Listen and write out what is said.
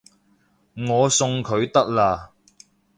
我送佢得喇